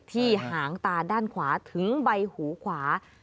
หางตาด้านขวาถึงใบหูขวา